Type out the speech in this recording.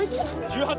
１８？